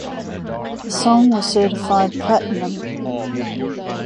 The song was certified platinum.